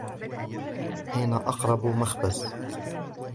أين أقرب مخبز ؟